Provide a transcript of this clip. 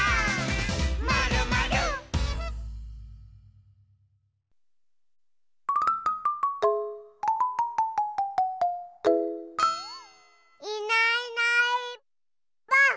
「まるまる」いないいないばあっ！